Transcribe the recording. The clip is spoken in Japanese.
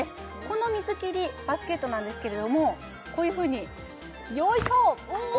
この水切りバスケットなんですけれどもこういうふうによいしょっ！